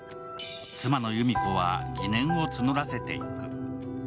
妻の裕実子は疑念を募らせていく。